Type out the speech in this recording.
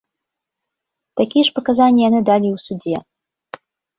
Такія ж паказанні яны далі і ў судзе.